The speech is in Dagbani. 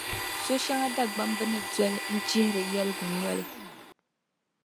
So’ shɛŋa Dagbamb ni doli n-chihiri yɛligu noli.